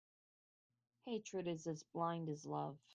Hatred is as blind as love.